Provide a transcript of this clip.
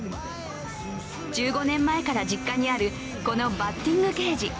１５年前から実家にあるこのバッティングケージ。